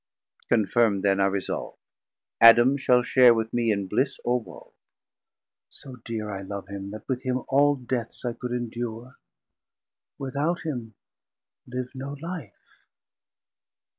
Confirm'd then I resolve, 830 Adam shall share with me in bliss or woe: So dear I love him, that with him all deaths I could endure; without him live no life.